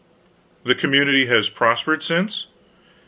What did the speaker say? "The community has prospered since?"